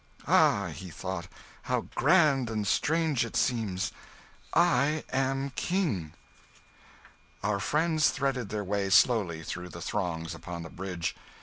"Ah," he thought, "how grand and strange it seems I am King!" Our friends threaded their way slowly through the throngs upon the bridge.